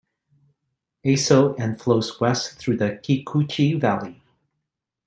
Aso and flows west through the Kikuchi Valley.